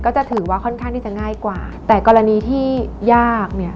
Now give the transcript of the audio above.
จะถือว่าค่อนข้างที่จะง่ายกว่าแต่กรณีที่ยากเนี่ย